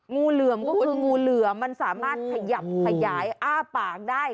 งูเหลือมก็เป็นงูเหลือมมันสามารถขยับขยายอ้าปากได้